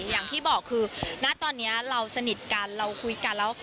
อย่างที่บอกคือณตอนนี้เราสนิทกันเราคุยกันแล้ว